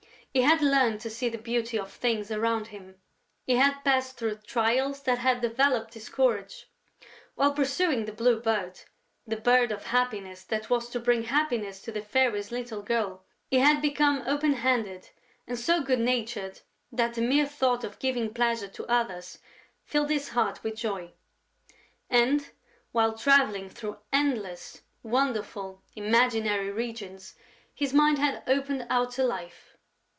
He had learned to see the beauty of things around him; he had passed through trials that had developed his courage; while pursuing the Blue Bird, the Bird of Happiness that was to bring happiness to the Fairy's little girl, he had become open handed and so good natured that the mere thought of giving pleasure to others filled his heart with joy. And, while travelling through endless, wonderful, imaginary regions, his mind had opened out to life.